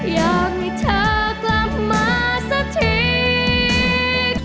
อยากให้เธอกลับมาสักที